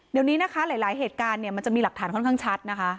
เดี๋ยวนี้นะคะหลายเหตุการณ์เนี่ยมันจะมีหลักฐานค่อนข้างชัดนะคะ